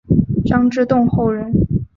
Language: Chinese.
张之洞后人。